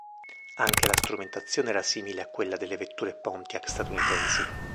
Anche la strumentazione era simile a quella delle vetture Pontiac statunitensi.